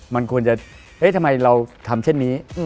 มันควรจะเฮ้ยทำไมเราทำเช่นนี้